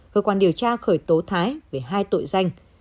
cơ quan điều tra khởi tố thái về hai tội danh